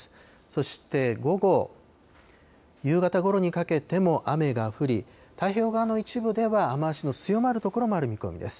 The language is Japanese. そして午後、夕方ごろにかけても雨が降り、太平洋側の一部では雨足の強まる所もある見込みです。